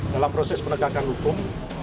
dalam proses penegakan hukum